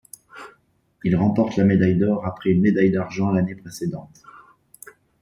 Il remporte la médaille d'or après une médaille d'argent l'année précédente.